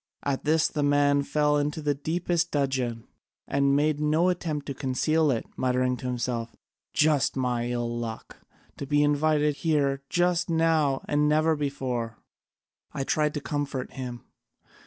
At this my man fell into the deepest dudgeon, and made no attempt to conceal it, muttering to himself, 'Just like my ill luck! To be invited here just now and never before!' I tried to comfort him.